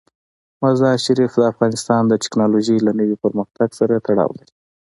مزارشریف د افغانستان د تکنالوژۍ له نوي پرمختګ سره تړاو لري.